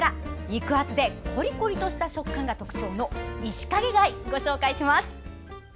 肉厚でコリコリとした食感が特徴のイシカゲ貝、ご紹介します。